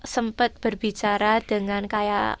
sempet berbicara dengan kayak